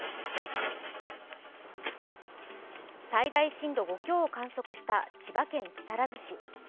最大震度５強を観測した千葉県木更津市。